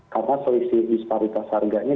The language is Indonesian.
karena selisih disparitas harganya